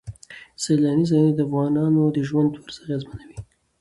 سیلانی ځایونه د افغانانو د ژوند طرز اغېزمنوي.